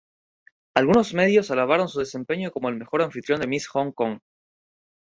Algunos medios alabaron su desempeño como "el mejor anfitrión de Miss Hong Kong".